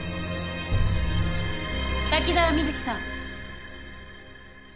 滝沢美月さん。